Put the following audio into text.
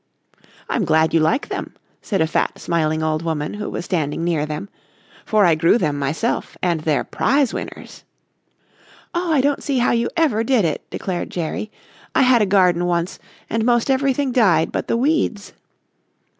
"I'm glad you like them," said a fat, smiling old woman who was standing near them, "for I grew them myself and they're prize winners." "Oh, I don't see how you ever did it," declared Jerry. "I had a garden once and most everything died but the weeds."